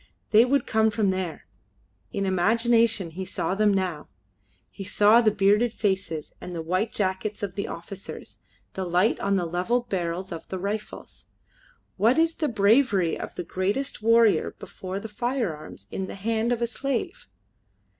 They would come from there. In imagination he saw them now. He saw the bearded faces and the white jackets of the officers, the light on the levelled barrels of the rifles. What is the bravery of the greatest warrior before the firearms in the hand of a slave?